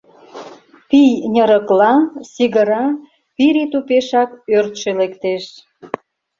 Пий ньыракла, сигыра, пире тупешак ӧртшӧ лектеш.